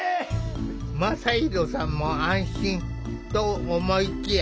真大さんも安心！と思いきや